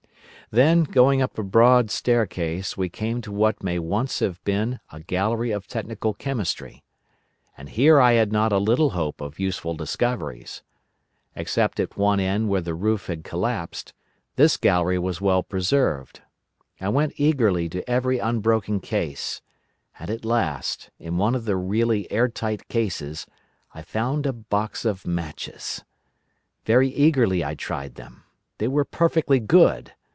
"Then, going up a broad staircase, we came to what may once have been a gallery of technical chemistry. And here I had not a little hope of useful discoveries. Except at one end where the roof had collapsed, this gallery was well preserved. I went eagerly to every unbroken case. And at last, in one of the really air tight cases, I found a box of matches. Very eagerly I tried them. They were perfectly good.